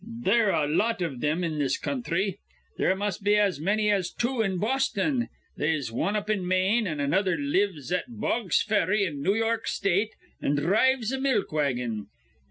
They're a lot iv thim in this counthry. There must be as manny as two in Boston: they'se wan up in Maine, an' another lives at Bogg's Ferry in New York State, an' dhrives a milk wagon.